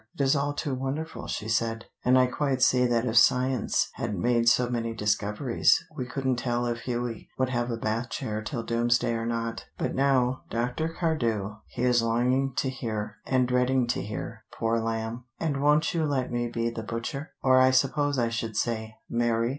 "It is all too wonderful," she said, "and I quite see that if science hadn't made so many discoveries, we couldn't tell if Hughie would have a Bath chair till doomsday or not. But now, Dr. Cardew, he is longing to hear, and dreading to hear, poor lamb, and won't you let me be the butcher, or I suppose I should say, 'Mary'?